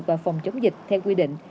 và phòng chống dịch theo quy định